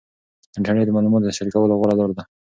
انټرنیټ د معلوماتو د شریکولو غوره لار ده.